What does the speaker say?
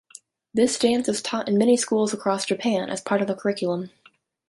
This dance is taught in many schools across Japan as part of the curriculum.